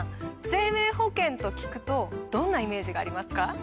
生命保険と聞くとどんなイメージがありますか？